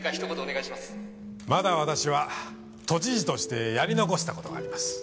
まだ私は都知事としてやり残した事があります。